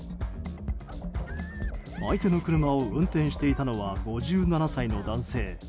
相手の車を運転していたのは５７歳の男性。